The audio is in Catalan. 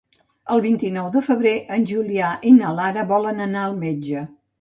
El vint-i-nou de febrer en Julià i na Lara volen anar al metge.